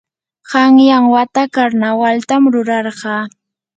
qanyan wata karnawaltam rurarqaa.